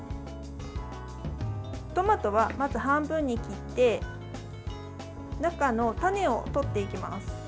トマトは、まず半分に切って中の種を取っていきます。